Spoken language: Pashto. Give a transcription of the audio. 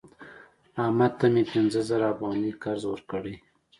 احمد ته مې پنځه زره افغانۍ قرض ورکړی